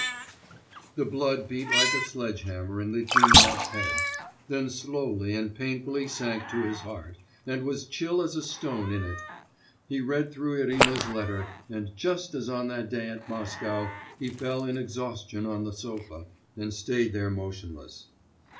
The blood beat like a sledge hammer in Litvinov's head, then slowly and painfully sank to his heart, and was chill as a stone in it. He read through Irina's letter, and just as on that day at Moscow he fell in exhaustion on the sofa, and stayed there motionless.